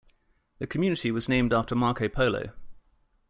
The community was named after Marco Polo.